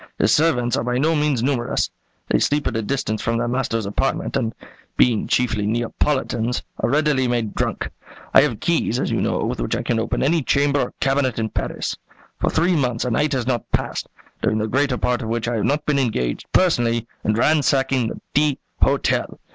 His servants are by no means numerous. They sleep at a distance from their master's apartment, and, being chiefly Neapolitans, are readily made drunk. I have keys, as you know, with which I can open any chamber or cabinet in Paris. For three months a night has not passed, during the greater part of which I have not been engaged, personally, in ransacking the D Hotel.